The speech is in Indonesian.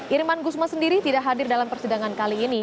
irman guzman sendiri tidak hadir dalam persidangan kali ini